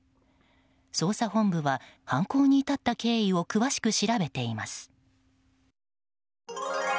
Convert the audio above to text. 捜査本部は犯行に至った経緯を詳しく調べています。